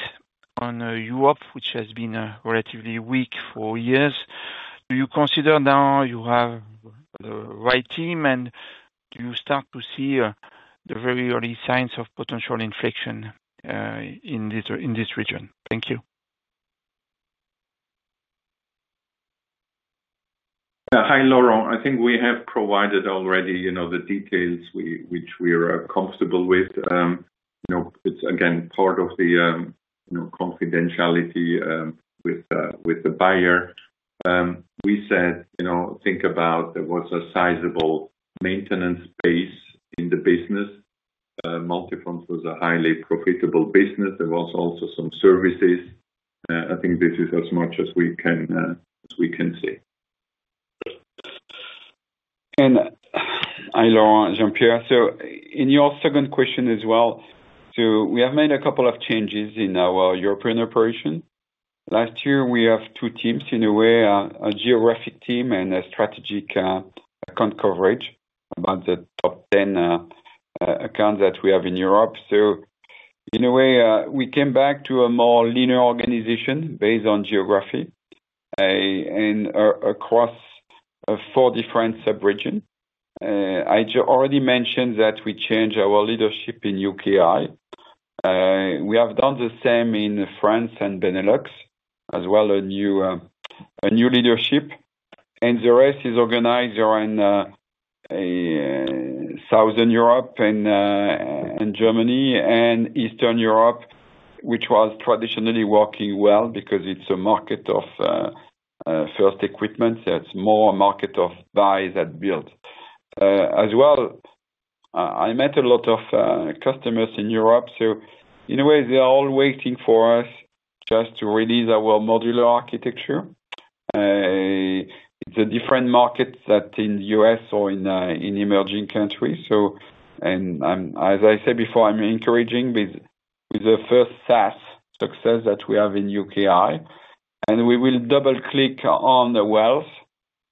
on Europe, which has been relatively weak for years. Do you consider now you have the right team? And do you start to see the very early signs of potential inflation in this region? Thank you. Hi, Laurent. I think we have provided already the details which we are comfortable with. It's, again, part of the confidentiality with the buyer. We said, think about there was a sizable maintenance base in the business. Multifonds was a highly profitable business. There was also some services. I think this is as much as we can say. Hi, Laurent, Jean-Pierre. In your second question as well, we have made a couple of changes in our European operation. Last year, we have two teams in a way, a geographic team and a strategic account coverage about the top 10 accounts that we have in Europe. So in a way, we came back to a more linear organization based on geography and across four different sub-regions. I already mentioned that we changed our leadership in UKI. We have done the same in France and Benelux as well, a new leadership. The rest is organized around Southern Europe and Germany and Eastern Europe, which was traditionally working well because it's a market of first equipment. It's more a market of buys and builds. As well, I met a lot of customers in Europe. In a way, they are all waiting for us just to release our modular architecture. It's a different market than in the U.S. or in emerging countries. And as I said before, I'm encouraging with the first SaaS success that we have in UKI. And we will double-click on the wealth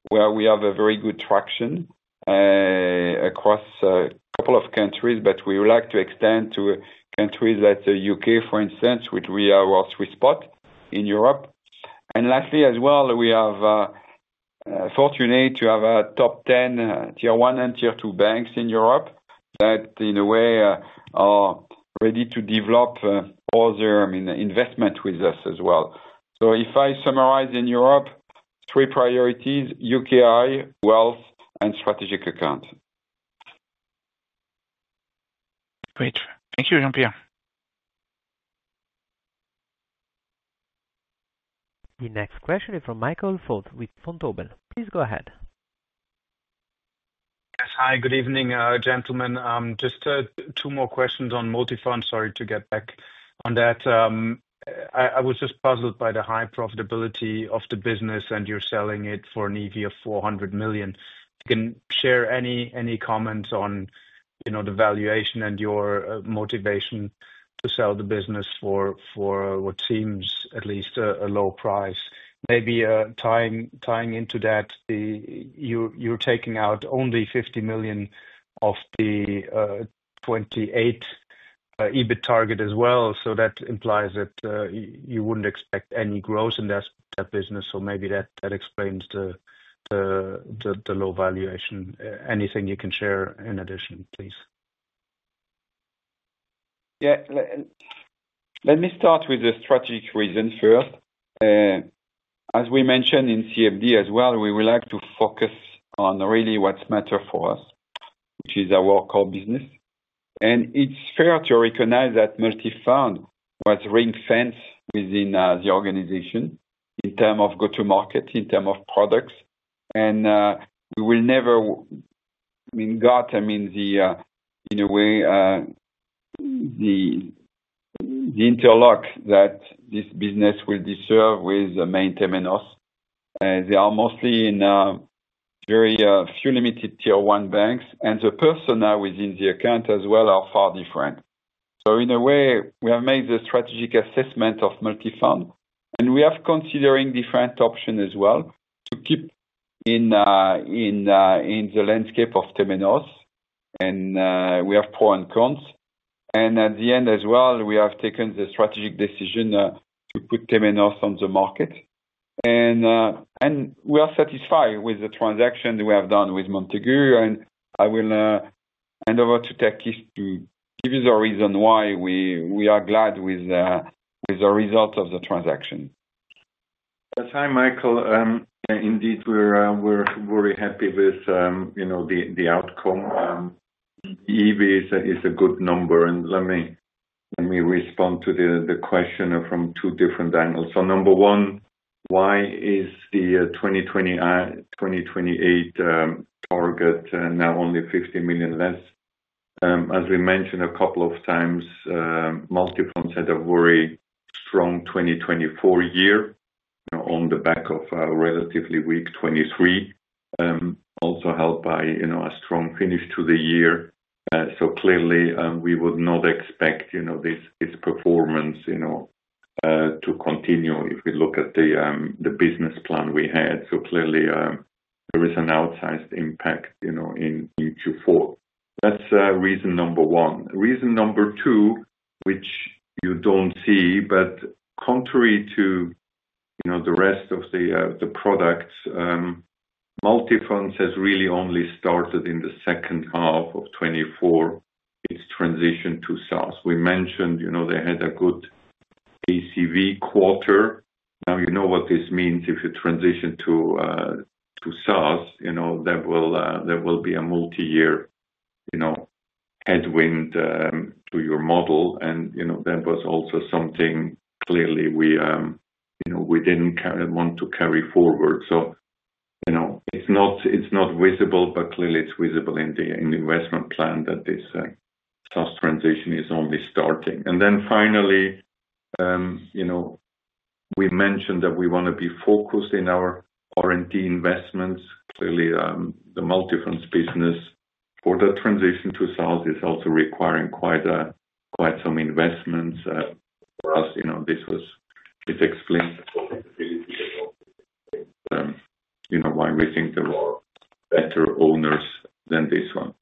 where we have a very good traction across a couple of countries, but we would like to extend to countries like the UK, for instance, which we are also strong in Europe. And lastly, as well, we are fortunate to have top 10 tier one and tier two banks in Europe that, in a way, are ready to develop all their investment with us as well. If I summarize in Europe, three priorities: UKI, wealth, and strategic accounts. Great. Thank you, Jean-Pierre. The next question is from Michael Foeth with Vontobel. Please go ahead. Yes. Hi, good evening, gentlemen. Just two more questions on Multifonds. Sorry to get back on that. I was just puzzled by the high profitability of the business and you're selling it for an EV of 400 million. You can share any comments on the valuation and your motivation to sell the business for what seems at least a low price. Maybe tying into that, you're taking out only 50 million of the 28 million EBITDA target as well. So that implies that you wouldn't expect any growth in that business. So maybe that explains the low valuation. Anything you can share in addition, please. Yeah. Let me start with the strategic reason first. As we mentioned in CMD as well, we would like to focus on really what matters for us, which is our core business. And it's fair to recognize that Multifonds was ring-fenced within the organization in terms of go-to-market, in terms of products. And we would never get, I mean, in a way, the interlock that this business would deserve with maintenance. They are mostly in very few limited Tier 1 banks. And the personnel within the account as well are far different. So in a way, we have made the strategic assessment of Multifonds. And we are considering different options as well to keep in the landscape of Temenos. And we have pros and cons. And at the end as well, we have taken the strategic decision to put Multifonds on the market. We are satisfied with the transaction we have done with Montagu. I will hand over to Takis to give you the reason why we are glad with the result of the transaction. Yes. Hi, Michael. Indeed, we're very happy with the outcome. The EV is a good number, and let me respond to the question from two different angles. Number one, why is the 2028 target now only 50 million less? As we mentioned a couple of times, Multifonds had a very strong 2024 year on the back of a relatively weak 2023, also held by a strong finish to the year. Clearly, we would not expect this performance to continue if we look at the business plan we had. Clearly, there is an outsized impact in Q4. That's reason number one. Reason number two, which you don't see, but contrary to the rest of the products, Multifonds has really only started in the second half of 2024 its transition to SaaS. We mentioned they had a good ACV quarter. Now, you know what this means. If you transition to SaaS, there will be a multi-year headwind to your model, and that was also something clearly we didn't want to carry forward, so it's not visible, but clearly, it's visible in the investment plan that this SaaS transition is only starting, and then finally, we mentioned that we want to be focused in our R&D investments. Clearly, the Multifonds business for the transition to SaaS is also requiring quite some investments. For us, this explains the possibility of why we think there are better owners than this one,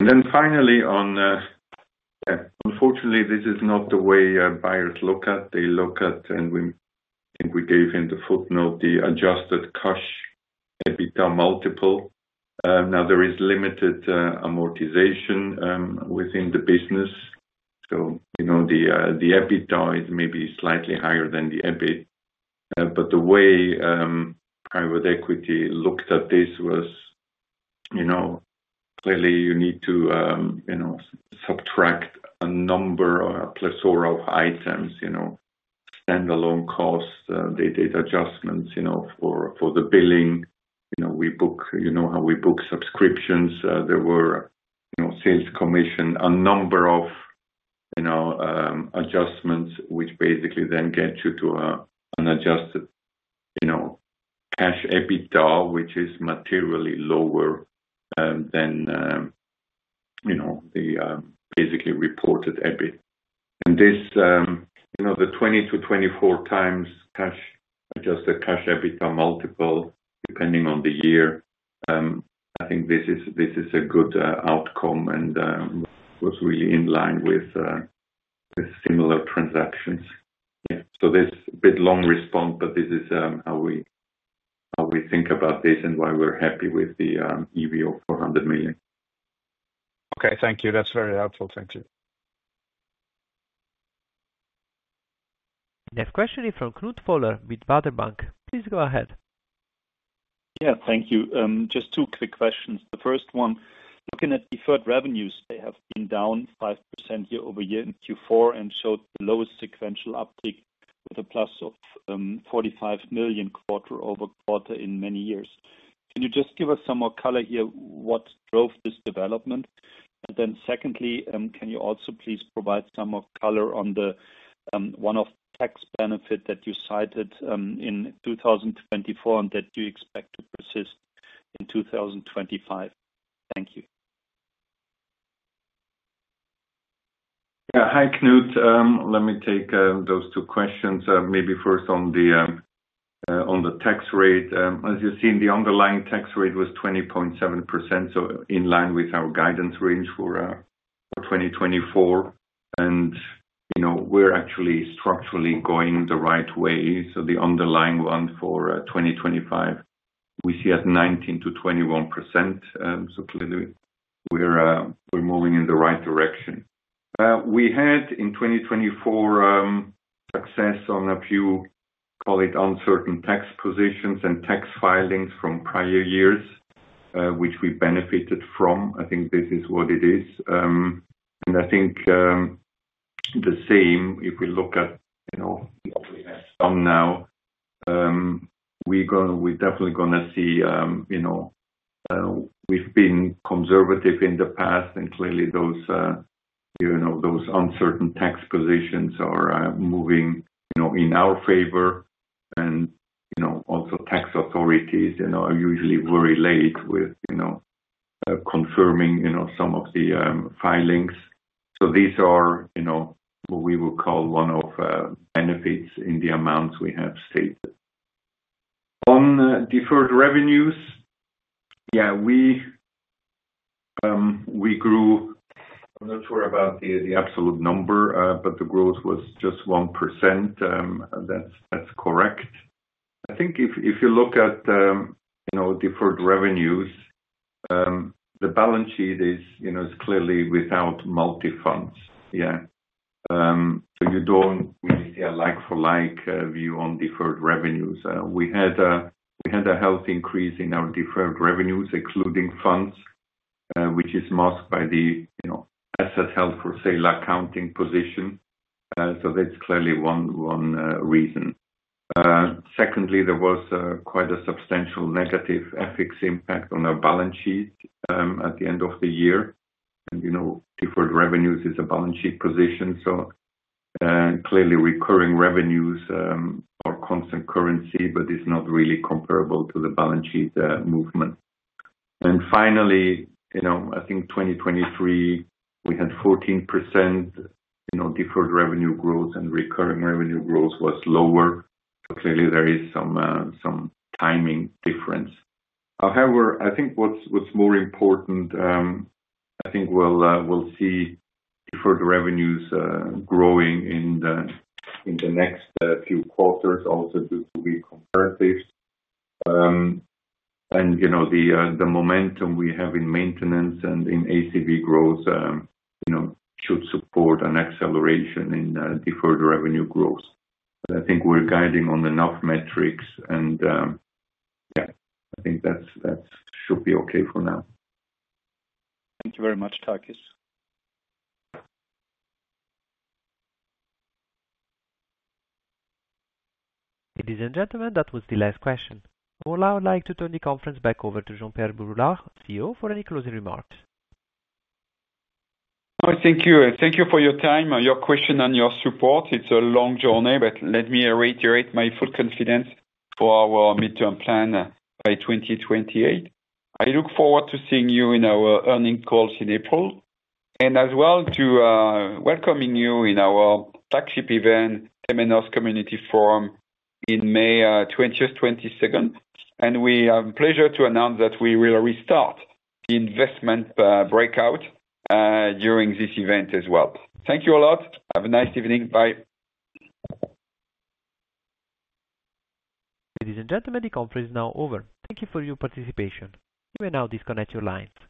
and then finally, unfortunately, this is not the way buyers look at. They look at, and I think we gave in the footnote, the adjusted cash EBITDA multiple. Now, there is limited amortization within the business, so the EBITDA is maybe slightly higher than the EBITDA. But the way private equity looked at this was clearly you need to subtract a number or a plethora of items, standalone costs. They did adjustments for the billing. We book how we book subscriptions. There were sales commission, a number of adjustments, which basically then get you to an adjusted cash EBITDA, which is materially lower than the basically reported EBITDA. And the 20-24 times adjusted cash EBITDA multiple, depending on the year, I think this is a good outcome and was really in line with similar transactions. Yeah. So this bit long response, but this is how we think about this and why we're happy with the EV of 400 million. Okay. Thank you. That's very helpful. Thank you. Next question is from Knut Woller with Baader Bank. Please go ahead. Yeah. Thank you. Just two quick questions. The first one, looking at the third-party revenues, they have been down 5% year over year in Q4 and showed the lowest sequential uptick with a plus of 45 million quarter over quarter in many years. Can you just give us some more color here? What drove this development? And then secondly, can you also please provide some more color on one of the tax benefits that you cited in 2024 and that you expect to persist in 2025? Thank you. Yeah. Hi, Knut. Let me take those two questions. Maybe first on the tax rate. As you've seen, the underlying tax rate was 20.7%, so in line with our guidance range for 2024, and we're actually structurally going the right way, so the underlying one for 2025, we see at 19%-21%, so clearly, we're moving in the right direction. We had in 2024 success on a few, call it uncertain tax positions and tax filings from prior years, which we benefited from. I think this is what it is, and I think the same, if we look at what we have done now, we're definitely going to see we've been conservative in the past, and clearly, those uncertain tax positions are moving in our favor, and also tax authorities are usually very late with confirming some of the filings. These are what we would call one of the benefits in the amounts we have stated. On deferred revenues, yeah, we grew; those were about the absolute number, but the growth was just 1%. That's correct. I think if you look at deferred revenues, the balance sheet is clearly without Multifonds. Yeah. You don't really see a like-for-like view on deferred revenues. We had a healthy increase in our deferred revenues, excluding funds, which is masked by the asset held for sale accounting position. That's clearly one reason. Secondly, there was quite a substantial negative FX impact on our balance sheet at the end of the year. Deferred revenues is a balance sheet position. Recurring revenues are constant currency, but it's not really comparable to the balance sheet movement. And finally, I think 2023, we had 14% deferred revenue growth, and recurring revenue growth was lower. So clearly, there is some timing difference. However, I think what's more important, I think we'll see deferred revenues growing in the next few quarters also due to base comparatives. And the momentum we have in maintenance and in ACV growth should support an acceleration in deferred revenue growth. But I think we're guiding on enough metrics. And yeah, I think that should be okay for now. Thank you very much, Takis. Ladies and gentlemen, that was the last question. I would like to turn the conference back over to Jean-Pierre Brulard, CEO, for any closing remarks. Thank you. Thank you for your time and your question and your support. It's a long journey, but let me reiterate my full confidence for our midterm plan by 2028. I look forward to seeing you in our earnings calls in April and as well to welcoming you in our flagship event, Temenos Community Forum in May 20th-22nd, and we have the pleasure to announce that we will restart the investment breakout during this event as well. Thank you a lot. Have a nice evening. Bye. Ladies and gentlemen, the conference is now over. Thank you for your participation. You may now disconnect your lines.